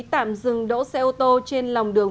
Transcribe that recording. tạm dừng đỗ xe ô tô trên lòng đường